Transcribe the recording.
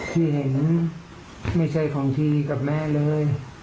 ที่เห็นไม่ใช่ของพี่กับแม่เลย